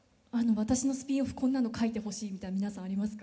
私のスピンオフこんなの書いてほしいみたいの皆さんありますか？